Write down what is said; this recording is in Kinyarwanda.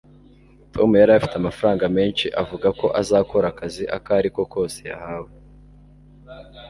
tom yari afite amafaranga menshi avuga ko azakora akazi ako ari ko kose yahawe